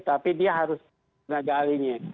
tapi dia harus tenaga ahlinya